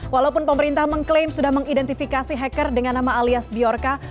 walaupun pemerintah mengklaim sudah mengidentifikasi hacker dengan nama alias biorca